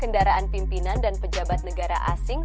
kendaraan pimpinan dan pejabat negara asing